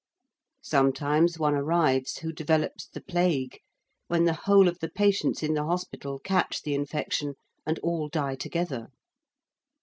Sometimes one arrives who develops the plague, when the whole of the patients in the hospital catch the infection and all die together.